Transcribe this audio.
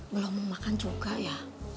belum makan juga ya